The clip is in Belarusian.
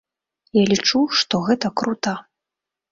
Я лічу, што гэта крута!